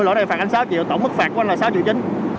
loại này phạt anh sáu triệu tổng mức phạt của anh là sáu triệu chín